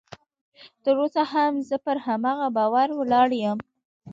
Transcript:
تر اوسه هم زه پر هماغه باور ولاړ یم